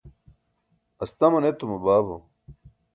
astaman etuma baabo